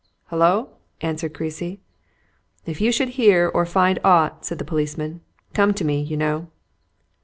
"Hullo?" answered Creasy. "If you should hear or find aught," said the policeman, "come to me, you know."